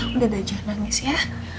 udah dah jahat nangis ya